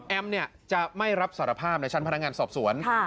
จะไม่รับสารภาพในชั้นพนักงานสอบสวน